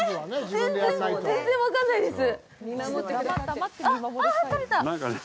全然、分かんないです！